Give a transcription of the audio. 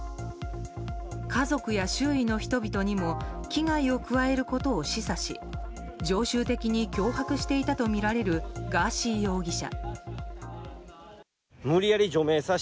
家族や周囲の人々にも危害を加えることを示唆し常習的に脅迫していたとみられるガーシー容疑者。